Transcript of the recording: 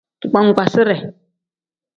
Digbangbaazire.